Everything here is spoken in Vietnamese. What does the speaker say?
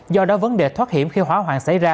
do đó vấn đề thoát hiểm khi hỏa hoạn xảy ra